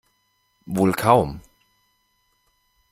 Wohl kaum.